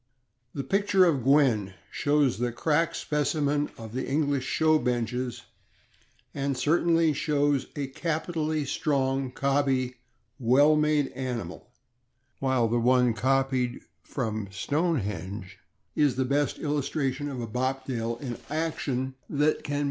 The picture of Gwen shows the crack specimen of the English show benches, and certainly shows a capitally strong, cobby, well made animal, while the one copied from Stone henge is the best illustration of a Bobtail in action that can 520 THE AMERICAN BOOK OF THE DOG.